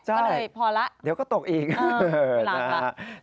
ก็เลยพอแล้วเดี๋ยวก็ตกอีกนะฮะช่วงนี้ก็ไปล้างค่ะ